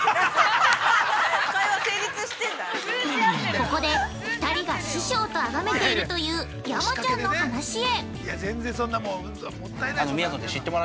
◆ここで、２人が師匠とあがめているという山ちゃんの話へ。